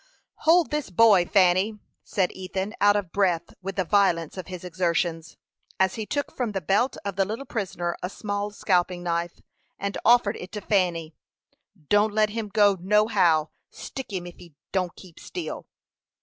"Hold this boy, Fanny," said Ethan, out of breath with the violence of his exertions, as he took from the belt of the little prisoner a small scalping knife, and offered it to Fanny. "Don't let him go, no how; stick him ef he don't keep still."